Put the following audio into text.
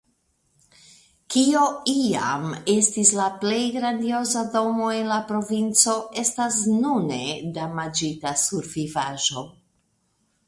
Kio iam estis la plej grandioza domo en la provinco estas nune damaĝita survivaĵo.